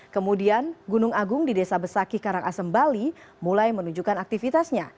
kemudian gunung agung di desa besaki karangasem bali mulai menunjukkan aktivitasnya